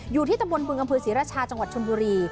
อยู่ที่ตำบลบึงอำเภอศรีราชาจังหวัดชนบุรี